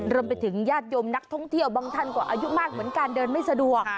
ญาติโยมนักท่องเที่ยวบางท่านก็อายุมากเหมือนการเดินไม่สะดวก